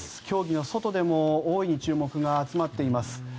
競技の外でも大いに注目が集まっています。